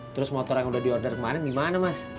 terus motor yang udah di order kemarin gimana mas